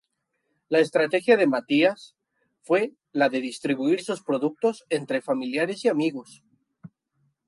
La estrategia de Matías fue la de distribuir sus productos entre familiares y amigos.